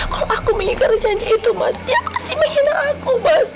kalau aku menghina janji itu mas dia kasih menghina aku mas